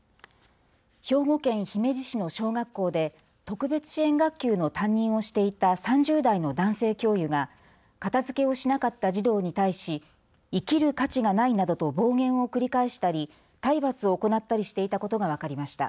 兵庫県姫路市の小学校で特別支援学級の担任をしていた３０代の男性教諭が片づけをしなかった児童に対し生きる価値がないなどと暴言を繰り返したり体罰を行ったりしていたことが分かりました。